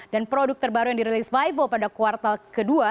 dan produk terbaru yang dirilis vivo pada kuartal ke dua